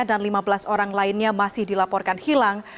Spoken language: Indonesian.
dan lima belas orang lainnya masih dilaporkan hilang